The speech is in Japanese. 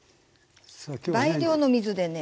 倍量の水でね。